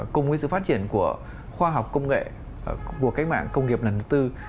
cùng với sự phát triển của khoa học công nghệ của cách mạng công nghiệp lần thứ tư